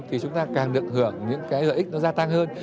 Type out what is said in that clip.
thì chúng ta càng được hưởng những cái lợi ích nó gia tăng hơn